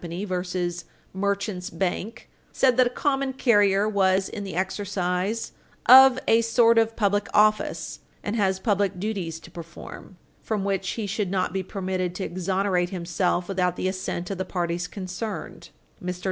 v. Merchants' Bank, 6 How. 344, 47 U. S. 382, said that a common carrier was in the exercise "of a sort of public office, and has public duties to perform, from which he should not be permitted to exonerate himself without the assent of the parties concerned." Mr.